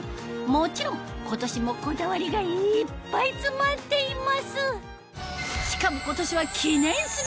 もちろん今年もこだわりがいっぱい詰まっています